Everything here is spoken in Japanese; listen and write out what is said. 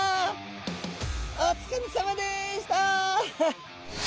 お疲れさまでした！